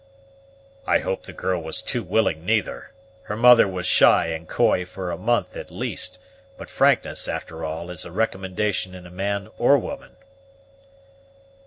"I hope the girl was too willing, neither! Her mother was shy and coy for a month, at least; but frankness, after all, is a recommendation in a man or woman."